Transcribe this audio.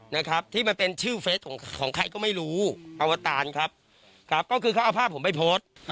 นะครับที่มันเป็นชื่อเฟสของของใครก็ไม่รู้อวตารครับครับก็คือเขาเอาภาพผมไปโพสต์